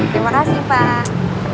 terima kasih pak